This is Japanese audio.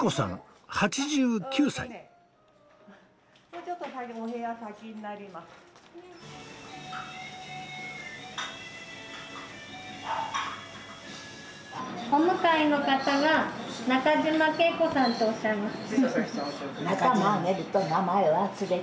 お向かいの方が中嶋圭子さんとおっしゃいます。